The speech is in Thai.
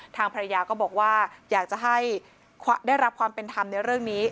ทางภรรยาก็บอกว่าอยากจะให้ได้รับความเป็นธรรมในเรื่องนี้